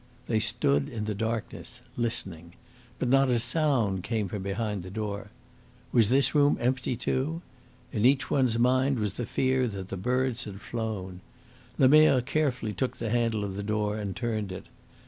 They stood in the darkness listening. But not a sound came from behind the door. Was this room empty, too? In each one's mind was the fear that the birds had flown. Lemerre carefully took the handle of the door and turned it.